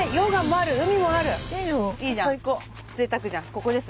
ここです。